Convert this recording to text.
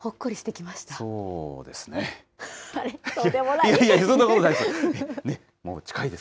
いやいや、そんなことないです。